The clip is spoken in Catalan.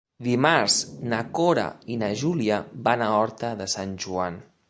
Dimarts na Cora i na Júlia van a Horta de Sant Joan.